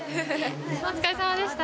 お疲れさまでした。